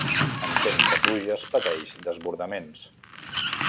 En temps de pluges pateix desbordaments.